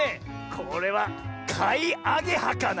これはかいアゲハかな？